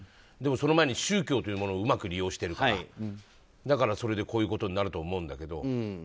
でも、その前に宗教というものをうまく利用してるからだから、それでこういうことになると思うんだけど。